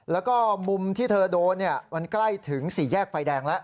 แล้วก็มุมที่เธอโดนมันใกล้ถึงสี่แยกไฟแดงแล้ว